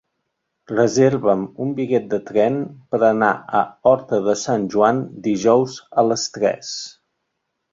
Reserva'm un bitllet de tren per anar a Horta de Sant Joan dijous a les tres.